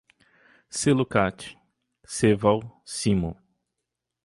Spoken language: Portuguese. Celucat, Ceval, Cimo